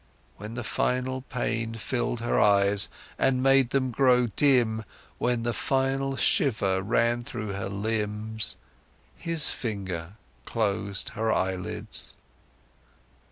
When the final pain filled her eyes and made them grow dim, when the final shiver ran through her limbs, his finger closed her eyelids.